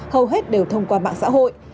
hầu hết đều thông qua mạng xã hội